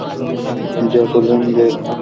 Jacqueline de বেলফোর্ট।